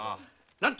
なんと！